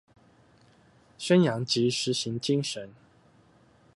宣揚及實行精神